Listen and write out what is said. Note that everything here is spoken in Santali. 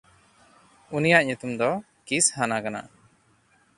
ᱩᱱᱤᱭᱟᱜ ᱧᱩᱛᱩᱢ ᱫᱚ ᱠᱤᱥᱦᱟᱱᱟ ᱠᱟᱱᱟ᱾